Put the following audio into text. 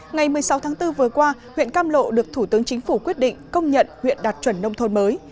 ngày một mươi sáu tháng bốn vừa qua huyện cam lộ được thủ tướng chính phủ quyết định công nhận huyện đạt chuẩn nông thôn mới